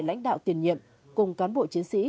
lãnh đạo tiền nhiệm cùng cán bộ chiến sĩ